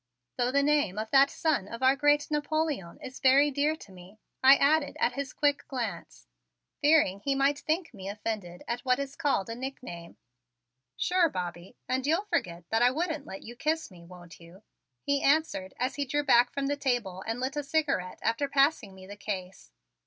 "Though the name of that son of our great Napoleon is very dear to me," I added at his quick glance, fearing he might think me offended at what is called a nickname. "Sure, Bobbie, and you'll forget that I wouldn't let you kiss me, won't you?" he answered as he drew back from the table and lit a cigarette after passing me the case.